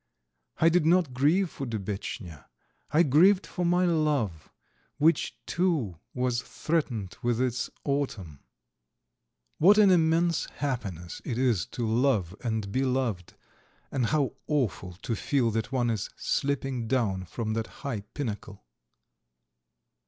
I did not grieve for Dubetchnya. I grieved for my love which, too, was threatened with its autumn. What an immense happiness it is to love and be loved, and how awful to feel that one is slipping down from that high pinnacle!